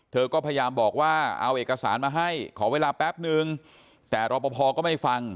เธอก็พยายามบอกว่าเอาเอกสารมาให้ขอเวลาแป๊บนึงแต่รอปภก็ไม่ฟัง